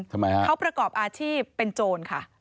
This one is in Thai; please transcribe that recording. ทำไมฮะเขาประกอบอาชีพเป็นโจรค่ะ